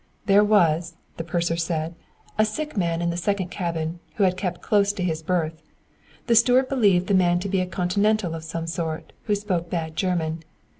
There was, the purser said, a sick man in the second cabin, who had kept close to his berth. The steward believed the man to be a continental of some sort, who spoke bad German.